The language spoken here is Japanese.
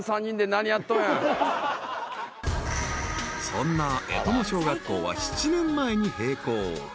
［そんな絵鞆小学校は７年前に閉校］